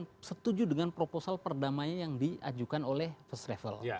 yang setuju dengan proposal perdamaian yang diajukan oleh first travel